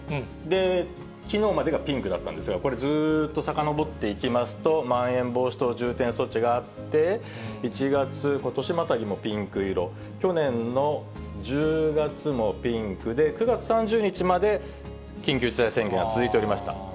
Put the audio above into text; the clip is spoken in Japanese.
きのうまでがピンクだったんですが、これ、ずーっとさかのぼっていきますと、まん延防止等重点措置があって、１月、ことしまたぎもピンク色、去年の１０月もピンクで、９月３０日まで緊急事態宣言が続いておりました。